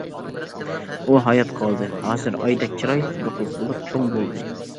ئۇ ھايات قالدى، ھازىر ئايدەك چىرايلىق بىر قىز بولۇپ چوڭ بولدى.